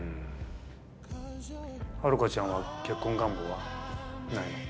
ハルカちゃんは結婚願望はないの？